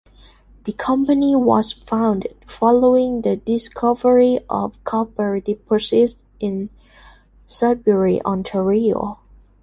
The Company was founded following the discovery of copper deposits in Sudbury, Ontario.